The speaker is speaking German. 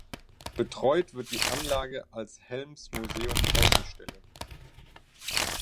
Betreut wird die Anlage als Helms-Museum-Außenstelle.